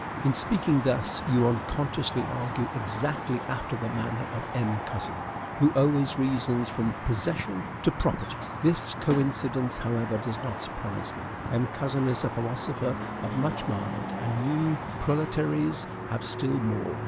In speaking thus, you unconsciously argue exactly after the manner of M. Cousin, who always reasons from possession to PROPERTY. This coincidence, however, does not surprise me. M. Cousin is a philosopher of much mind, and you, proletaires, have still more.